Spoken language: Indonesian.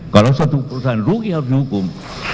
kalau satu perusahaan rugi harus dihukum